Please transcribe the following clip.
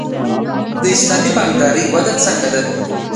د اسلامي بانکدارۍ وده څنګه ده؟